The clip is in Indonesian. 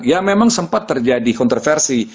ya memang sempat terjadi kontroversi